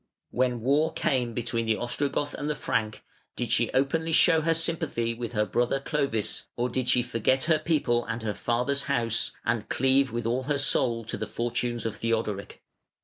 When war came between the Ostrogoth and the Frank, did she openly show her sympathy with her brother Clovis, or did she "forget her people and her father's house" and cleave with all her soul to the fortunes of Theodoric?